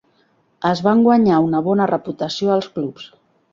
Es van guanyar una bona reputació als clubs.